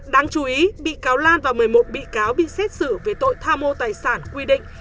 đáng chú ý bị cáo lan và một mươi một bị cáo bị xét xử về tội tham mô tài sản quy định